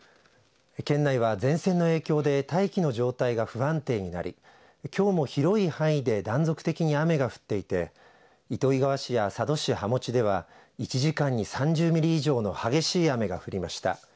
県内は前線の影響で大気の状態が不安定になりきょうも広い範囲で断続的に雨が降っていて糸魚川市や佐渡市羽茂では１時間に３０ミリ以上の激しい雨が降りました。